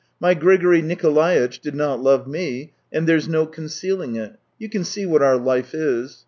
My Grigory Nikolaitch did not love me, and there's no concealing it; you can see what our life is.